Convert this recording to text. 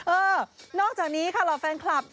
เออนอกจากนี้ค่ะเหล่าแฟนคลับ